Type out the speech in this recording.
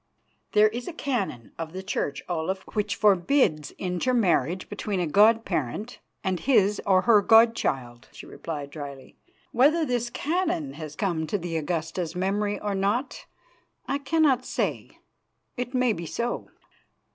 "There is a canon of the Church, Olaf, which forbids intermarriage between a god parent and his or her god child," she replied dryly. "Whether this canon has come to the Augusta's memory or not, I cannot say. It may be so."